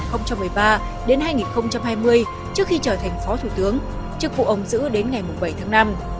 trong giai đoạn hai nghìn một mươi ba hai nghìn hai mươi trước khi trở thành phó thủ tướng chức vụ ông giữ đến ngày bảy tháng năm